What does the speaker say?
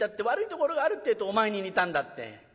悪いところがあるってえとお前に似たんだって。